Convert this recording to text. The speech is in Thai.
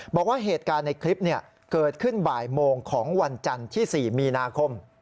บอกว่าเหตุการณ์ในคลิปเกิดขึ้นบ่ายโมงของวันจันทร์ที่๔มีนาคม